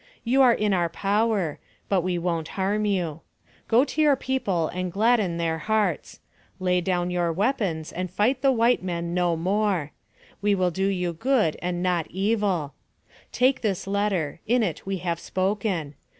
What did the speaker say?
You are in our power, but we won't harm you. Go to your people and gladden their hearts. Lay down your weapons, and fight the AMONG THE SIOUX INDIANS. 143 white men no more. We will do you good, and not evil. Take this letter; in it we have spoken.